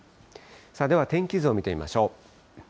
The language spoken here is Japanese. では、天気図を見てみましょう。